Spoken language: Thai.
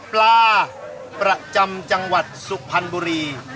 ปลาประจำจังหวัดสุพรรณบุรี